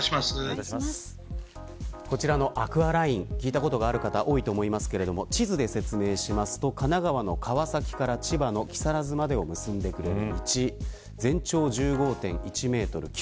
こちらのアクアライン聞いたことある方多いと思いますが地図で説明しますと神奈川の川崎から千葉の木更津までを結んでくれる道。